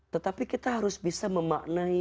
tetapi kita harus bisa memaknai